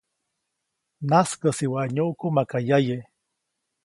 -Najskäsi waʼa nyuʼku maka yaye.-